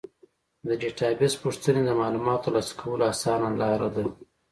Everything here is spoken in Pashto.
د ډیټابیس پوښتنې د معلوماتو ترلاسه کولو اسانه لاره ده.